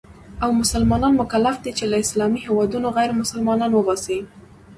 او مسلمانان مکلف دي چې له اسلامي هېوادونو غیرمسلمانان وباسي.